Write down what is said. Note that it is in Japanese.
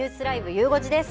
ゆう５時です。